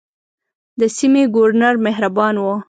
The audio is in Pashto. د سیمې ګورنر مهربان وو.